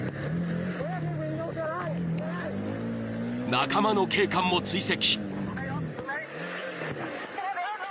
［仲間の警官も追跡］